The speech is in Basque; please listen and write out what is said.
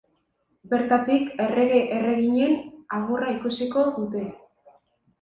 Bertatik, errege-erreginen agurra ikusiko dute.